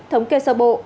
thống kê sơ bộ